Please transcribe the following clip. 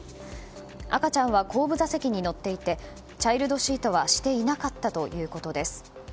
赤ちゃんは後部座席に乗っていてチャイルドシートはしていなかったということです。